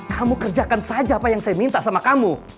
kamu kerjakan saja apa yang saya minta sama kamu